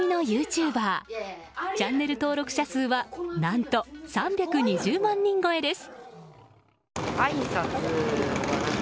チャンネル登録者数は何と３２０万人超えです。